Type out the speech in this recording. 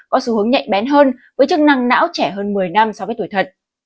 có xu hướng nhạy bén hơn với chức năng não trẻ hơn một mươi năm so với tuổi thật